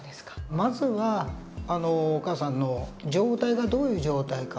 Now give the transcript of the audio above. まずはお母さんの状態がどういう状態か。